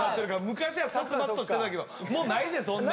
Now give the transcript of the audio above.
昔は殺伐としてたけどもうないでそんなん。